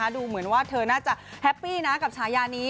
ดูเหมือนว่าเธอน่าจะแฮปปี้นะกับฉายานี้